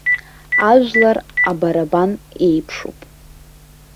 Ажәлар абарабан еиԥшуп.